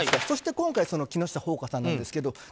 そして今回木下ほうかさんなんですけども。